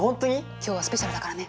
今日はスペシャルだからね。